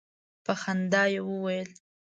په خندا یې وویل.